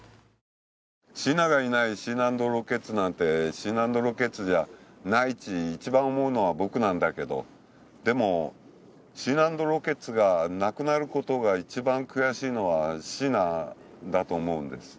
シーナがいないシーナ＆ロケッツなんてシーナ＆ロケッツじゃないち一番思うのは僕なんだけどでもシーナ＆ロケッツがなくなることが一番悔しいのはシーナだと思うんです